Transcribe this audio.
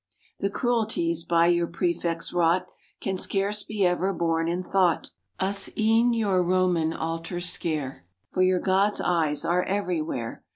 The cruelties by your prefects wrought Can scarce be ever borne in thought; Us e'en your Roman altars scare, For your gods eyes are everywhere.